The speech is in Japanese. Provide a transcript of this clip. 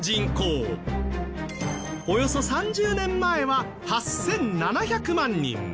およそ３０年前は８７００万人。